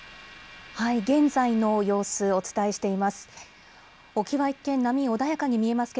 現在の様子、お伝えしています。